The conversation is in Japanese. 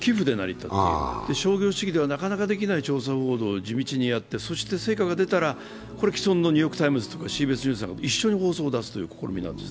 商業主義ではなかなかできない調査報道を地道にやって、成果が出たらこれ既存の「ニューヨークタイムズ」とかはＣＢＳなんかと一緒に放送を出すという試みなんです。